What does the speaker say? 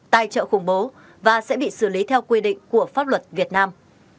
tài trợ khủng bố và sẽ bị xử lý theo quy định của pháp luật việt nam